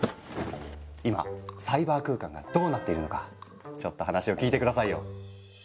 今サイバー空間がどうなっているのかちょっと話を聞いて下さいよ。